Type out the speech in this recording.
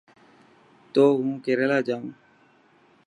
تون هون ڪيريلا جائون.